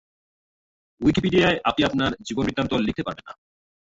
উইকিপিডিয়ায় আপনি আপনার জীবনবৃত্তান্ত লিখতে পারবেন না।